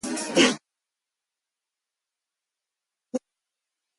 The installation changed names a few more times during its early years.